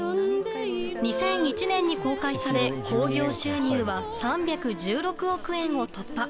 ２００１年に公開され興行収入は３１６億円を突破。